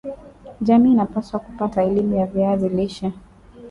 jamii inapaswa kupata elimu ya viazi lishe